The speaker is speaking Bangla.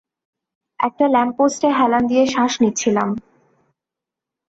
একটা ল্যাম্পপোস্টে হেলান দিয়ে শ্বাস নিচ্ছিলাম।